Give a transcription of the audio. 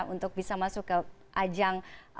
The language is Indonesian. untuk bisa masuk ke ajang